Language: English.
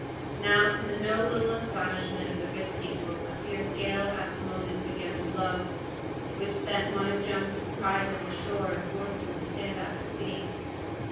Now, to the no little astonishment of the good people, a fierce gale at that moment began to blow, which sent one of Jones's prizes ashore and forced him to stand out to sea.